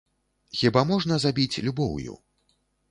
Хіба можна забіць любоўю?